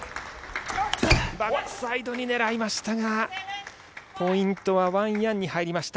バックサイドに狙いましたが、ポイントはワン・ヤンに入りました。